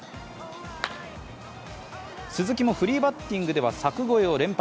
鈴木もフリーバッティングでは柵超えを連発。